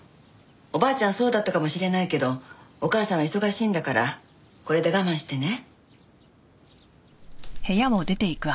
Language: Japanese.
おばあちゃんはそうだったかもしれないけどお母さんは忙しいんだからこれで我慢してね。